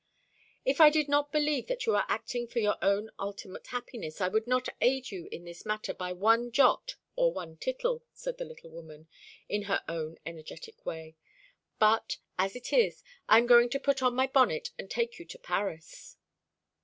"If I did not believe that you are acting for your own ultimate happiness, I would not aid you in this matter by one jot or one tittle," said the little woman, in her own energetic way; "but, as it is, I am going to put on my bonnet and take you to Paris."